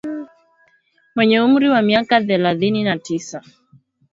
mwenye umri wa miaka thelathini na tisa